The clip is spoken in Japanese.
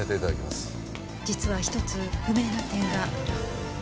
実は１つ不明な点が。